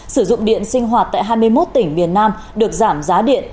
sử dụng điện sinh hoạt tại hai mươi một tỉnh miền nam được giảm giá điện